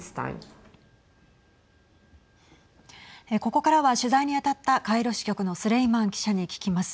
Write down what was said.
ここからは取材に当たったカイロ支局のスレイマン記者に聞きます。